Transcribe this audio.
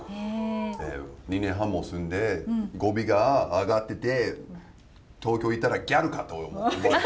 ２年半も住んで語尾が上がってて東京行ったらギャルかと思われた。